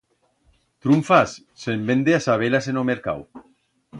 Trunfas, se'n vende a-saber-las en o mercau.